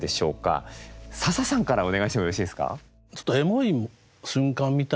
笹さんからお願いしてもよろしいですか？